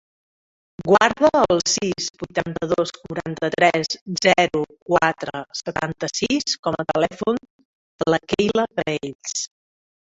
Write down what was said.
Guarda el sis, vuitanta-dos, quaranta-tres, zero, quatre, setanta-sis com a telèfon de la Keyla Graells.